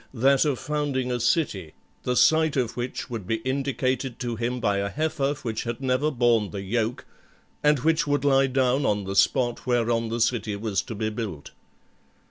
_ that of founding a city, the site of which would be indicated to him by a heifer which had never borne the yoke, and which would lie down on the spot whereon the city was to be built.